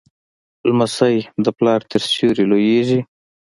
لمسی د پلار تر سیوري لویېږي.